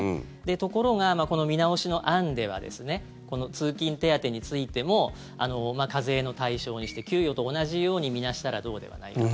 ところが、この見直しの案では通勤手当についても課税の対象にして給与と同じように見なしたらどうではないかと。